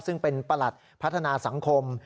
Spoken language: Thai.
ซึ่งเป็นประหลัดพัฒนาสังคม